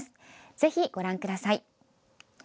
ぜひご覧ください。